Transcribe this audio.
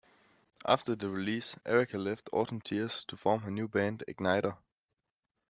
After the release, Erika left Autumn Tears to form her new band, Ignitor.